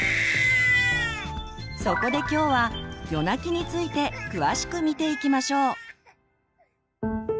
そこで今日は夜泣きについて詳しく見ていきましょう。